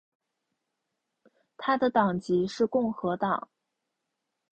他的党籍是共和党。